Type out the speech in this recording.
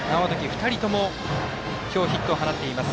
２人とも、今日ヒットを放っています。